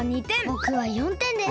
ぼくは４てんです！